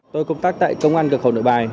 tôi công tác tại công an cửa khẩu nội bài